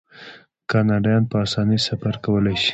کاناډایان په اسانۍ سفر کولی شي.